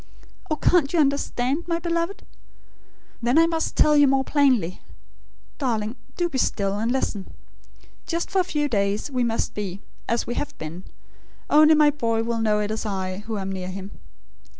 ... Oh, can't you understand, my beloved? ... Then I must tell you more plainly. Darling, do be still, and listen. Just for a few days we must be as we have been; only my boy will know it is I who am near him.